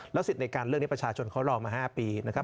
สิทธิ์ในการเลือกนี้ประชาชนเขารอมา๕ปีนะครับ